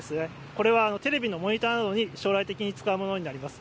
これはテレビのモニターなどに将来的に使われるものです。